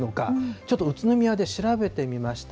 ちょっと宇都宮で調べてみました。